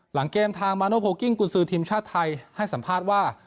หลังเกมทางคุณซือทีมชาติไทยให้สัมภาษณ์ว่า